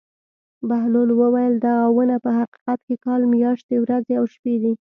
بهلول وویل: دغه ونه په حقیقت کې کال میاشتې ورځې او شپې دي.